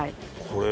これ。